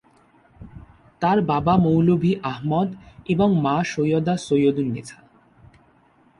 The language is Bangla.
তার বাবা মৌলভী আহমদ এবং মা সৈয়দা সৈয়দুন্নেসা।